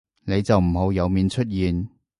你就唔好有面出現